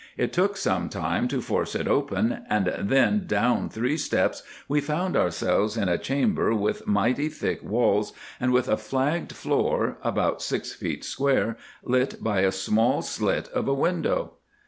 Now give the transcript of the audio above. It took some time to force it open, and then down three steps we found ourselves in a chamber with mighty thick walls and with a flagged floor, about six feet square, lit by a small slit of a window.